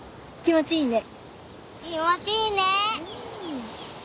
気持ちいいね。